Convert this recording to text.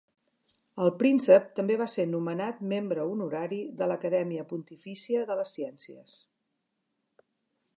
El príncep també va ser nomenat membre honorari de l'Acadèmia Pontifícia de les Ciències.